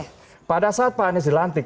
nah pada saat pak anies dilantik